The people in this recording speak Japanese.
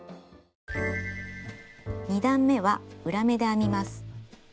２段めは裏目で編みます。